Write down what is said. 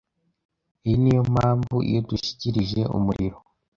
iyi niyo mpamvu iyo dushikirije umuriro